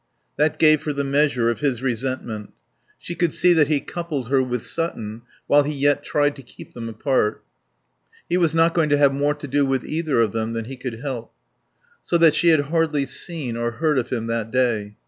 That gave her the measure of his resentment. She could see that he coupled her with Sutton while he yet tried to keep them apart. He was not going to have more to do with either of them than he could help. So that she had hardly seen or heard of him that day.